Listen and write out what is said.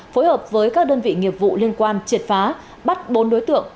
phối hợp với các đơn vị nghiệp vụ liên quan triệt phá bắt bốn đối tượng